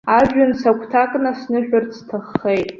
Ажәҩан сахәҭакны сныҳәарц сҭаххеит.